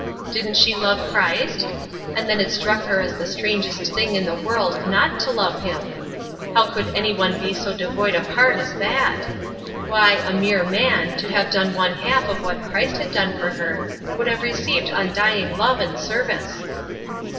Didn't she love Christ? And then it struck her as the strangest thing in the world not to love him. How could any one be so devoid of heart as that? Why, a mere man, to have done one half of what Christ had done for her, would have received undying love and service.